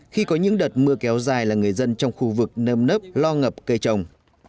khi có những đợt mưa kéo dài là người dân trong khu vực nâm nớp lo ngập cây trồng